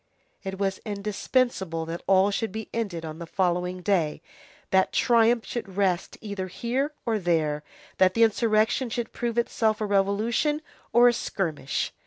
It was indispensable that all should be ended on the following day, that triumph should rest either here or there, that the insurrection should prove itself a revolution or a skirmish.